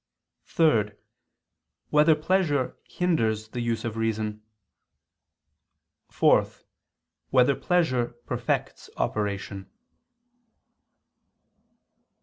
(3) Whether pleasure hinders the use of reason? (4) Whether pleasure perfects operation?